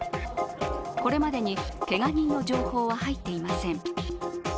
これまでに、けが人の情報は入っていません。